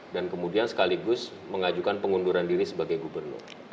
kemudian sekaligus mengajukan pengunduran diri sebagai gubernur